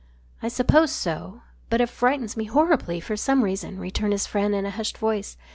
"I suppose so. But it frightens me horribly for some reason," returned his friend in a hushed voice.